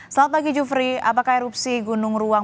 selamat pagi jufri apakah erupsi gunung ruang